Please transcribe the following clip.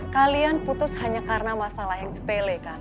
kalian putus hanya karena masalah yang sepele kan